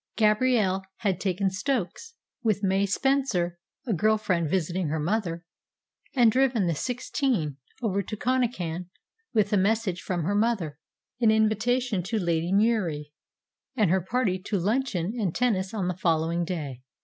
Gabrielle had taken Stokes, with May Spencer (a girl friend visiting her mother), and driven the "sixteen" over to Connachan with a message from her mother an invitation to Lady Murie and her party to luncheon and tennis on the following day.